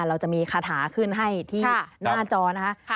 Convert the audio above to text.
เราจะมีคาถาขึ้นให้ที่หน้าจอนะคะ